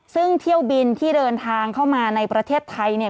ซึ่งเที่ยวบินที่เดินทางเข้ามาในประเทศไทยเนี่ย